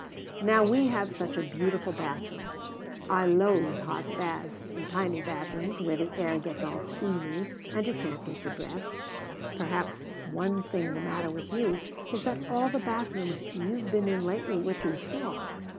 "Now we have such a beautiful bathroom. I loathe hot baths in tiny bathrooms, where the air gets all steamy and you can't get your breath. Perhaps one thing the matter with you is that all the bathrooms you've been in lately were too small.